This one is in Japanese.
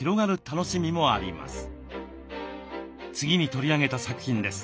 次に取り上げた作品です。